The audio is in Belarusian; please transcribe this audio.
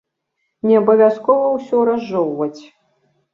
Не абавязкова ўсё разжоўваць.